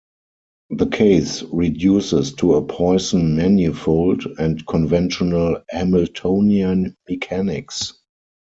The case reduces to a Poisson manifold, and conventional Hamiltonian mechanics.